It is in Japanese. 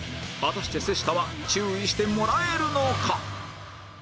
果たして瀬下は注意してもらえるのか？